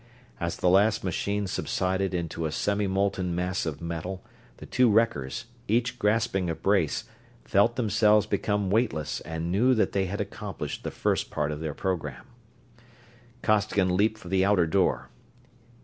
As the last machine subsided into a semi molten mass of metal the two wreckers, each grasping a brace, felt themselves become weightless and knew that they had accomplished the first part of their program. Costigan leaped for the outer door.